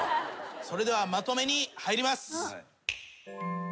それではまとめに入ります。